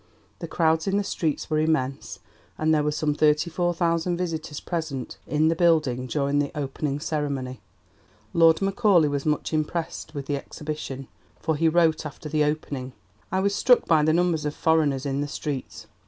The crowds in the streets were immense, and there were some 34,000 visitors present in the building during the opening ceremony. Lord Macaulay was much impressed with the Exhibition, for he wrote after the opening: "I was struck by the numbers of foreigners in the streets.